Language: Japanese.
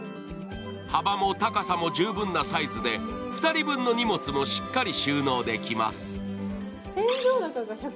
幅も高さも十分なサイズで２人分の荷物も十分収納できます。